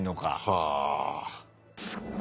はあ。